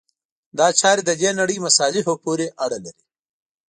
دا چارې د دې نړۍ مصالحو پورې اړه لري.